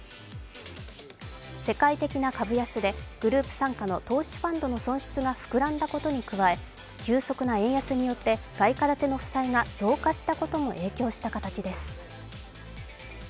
世界的な株安でグループ傘下の投資ファンの損失が膨らんだことに加え、急速な円安によって、外貨建ての負債が増加したことも影響した形です。